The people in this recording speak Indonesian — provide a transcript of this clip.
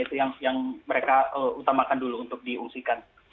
itu yang mereka utamakan dulu untuk diungsikan